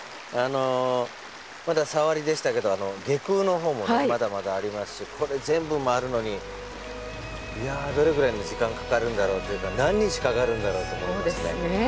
あのまださわりでしたけれど外宮のほうもまだまだありますしこれ全部回るのにいやぁどれくらいの時間かかるんだろうというか何日かかるんだろうと思いますね。